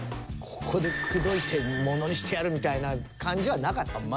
ここで口説いてものにしてやるみたいな感じはなかったのよね。